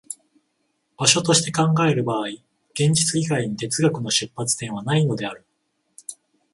場所として考える場合、現実以外に哲学の出発点はないのである。